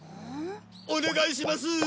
お願いします！